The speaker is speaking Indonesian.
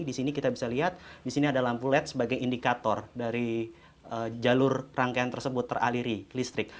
di sini kita bisa lihat di sini ada lampu led sebagai indikator dari jalur rangkaian tersebut teraliri listrik